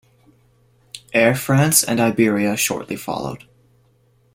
Air France and Iberia shortly followed.